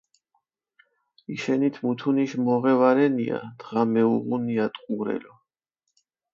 იშენით მუთუნიშ მოღე ვარენია, დღა მეუღუნია ტყურელო.